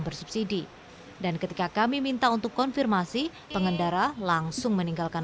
bersubsidi dan ketika kami minta untuk konfirmasi pengendara langsung meninggalkan